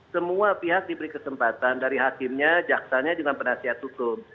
semua pihak diberi kesempatan dari hakimnya jaksanya juga penasihat hukum